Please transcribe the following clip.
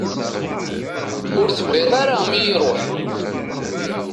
Ur teḅɣi ara mi i iruḥ.